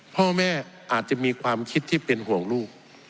พ่อแม่อาจจะมีความคิดที่เป็นห่วงลูก